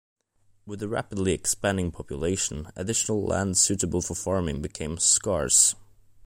With the rapidly expanding population, additional land suitable for farming became scarce.